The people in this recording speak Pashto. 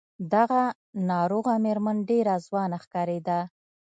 دغه ناروغه مېرمن ډېره ځوانه ښکارېده.